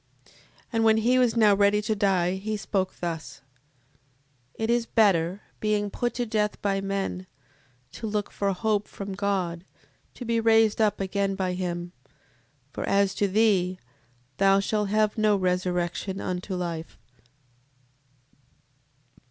7:14. And when he was now ready to die, he spoke thus: It is better, being put to death by men, to look for hope from God, to be raised up again by him; for, as to thee, thou shalt have no resurrection unto life.